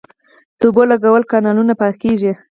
د اوبو لګولو کانالونه پاکیږي